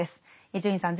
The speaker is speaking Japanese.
伊集院さん